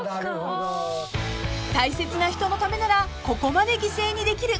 ［大切な人のためならここまで犠牲にできる］